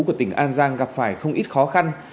của tỉnh an giang gặp phải không ít khó khăn